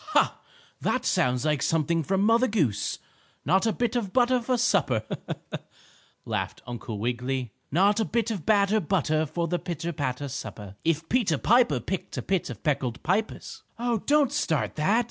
"Ha! That sounds like something from Mother Goose. Not a bit of butter for supper," laughed Uncle Wiggily. "Not a bit of batter butter for the pitter patter supper. If Peter Piper picked a pit of peckled pippers " "Oh, don't start that!"